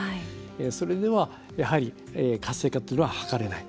それでは、やはり活性化は図れない。